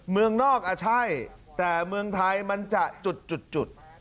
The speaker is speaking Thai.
เมืองนอกอ่ะใช่แต่เมืองไทยมันจะจุด